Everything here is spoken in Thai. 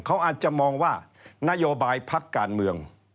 เขาอาจจะมองว่านโยบายพักการเมือง